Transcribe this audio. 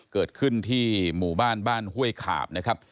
เกิดขึ้นที่หมู่บ้านบ้านห้วยขาบนะครับ